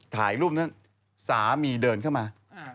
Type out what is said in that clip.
ถ่ายรูปนั้นสามีเดินเข้ามา